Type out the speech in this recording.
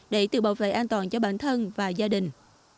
để tự bảo vệ an toàn cho bản thân và gia đình